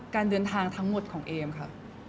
การเดินทางทั้งหมดของเอมค่ะ